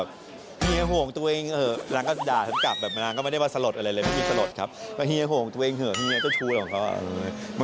เพราะฉะนั้นเขาเข้มแข็งครับผมรู้เขา